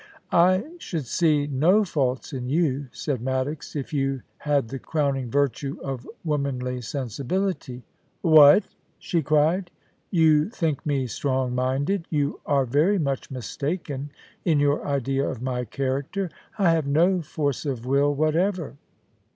* I should see no faults in you,' said Maddox, * if you had the crowning virtue of womanly sensibility.' * What !' she cried, * you think me strong minded You are very much mistaken in your idea of my character. I have no force of will whatever.'